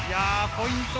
ポイント